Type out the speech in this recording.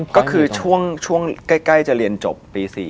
ก็คือช่วงใกล้จะเรียนจบปี๔